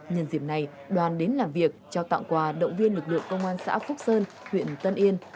nhân dịp này đoàn đến làm việc trao tặng quà động viên lực lượng công an xã phúc sơn huyện tân yên